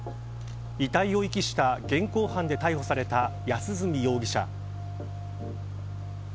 遺体を遺棄した現行犯で逮捕された安栖容疑者。